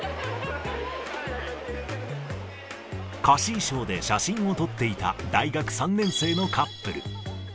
貸衣装で写真を撮っていた大学３年生のカップル。